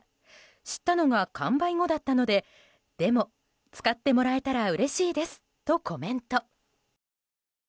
知ったのが完売後だったのででも、使ってもらえたらうれしいですとコメント。